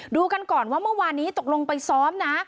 ดูกันก่อนว่าเมื่อวานนี้ตกลงไปซ้อมนะ